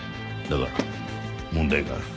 だが問題がある。